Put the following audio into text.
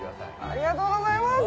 ありがとうございます！